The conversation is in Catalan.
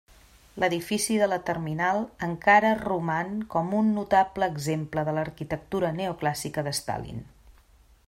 L'edifici de la terminal encara roman com un notable exemple de l'arquitectura neoclàssica de Stalin.